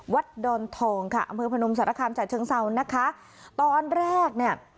วัดดอนทองค่ะเมืองพนมสารคามจากเชิงเซานะคะตอนแรกเนี่ย